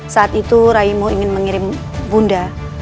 saat itu raimo ingin mengirim bunda